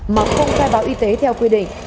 mà không khai báo y tế theo quy định